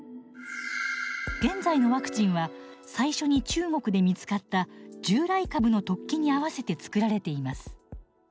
現在のワクチンは最初に中国で見つかった従来株の突起に合わせて作られています。